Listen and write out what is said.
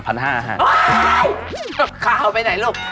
เอ้ยขาวไปไหนลูก